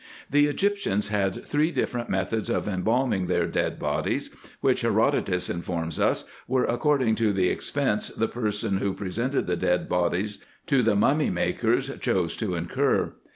The Egyptians had three different methods of embalming their dead bodies, which, Herodotus informs us, were according to the expense the persons who pre sented the dead bodies to the mummy makers chose to incur.